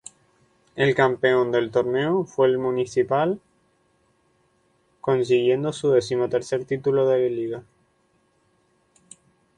El campeón del torneo fue el Municipal, consiguiendo su decimotercer título de liga.